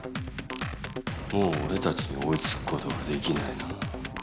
もう俺たちに追い付くことはできないな。